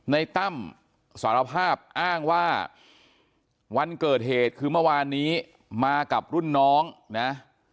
ตั้มสารภาพอ้างว่าวันเกิดเหตุคือเมื่อวานนี้มากับรุ่นน้องนะ